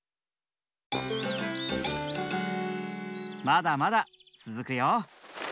まだまだつづくよ。